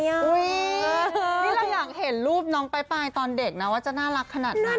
นี่เราอยากเห็นรูปน้องปลายตอนเด็กนะว่าจะน่ารักขนาดนั้น